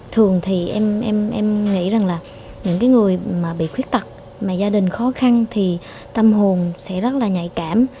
thường thì em nghĩ rằng là những người mà bị khuyết tật mà gia đình khó khăn thì tâm hồn sẽ rất là nhạy cảm